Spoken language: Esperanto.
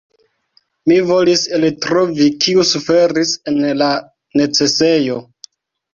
Mi volis eltrovi kiu suferis en la necesejo."